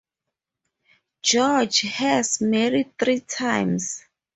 George Hess married three times.